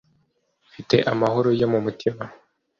mfite amahoro yo mu mutima.